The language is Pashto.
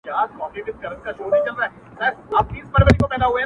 • له کهاله مي دي راوړي سلامونه,